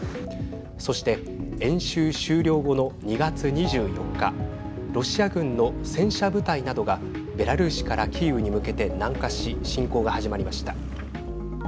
そして演習終了後の２月２４日ロシア軍の戦車部隊などがベラルーシからキーウに向けて南下し侵攻が始まりました。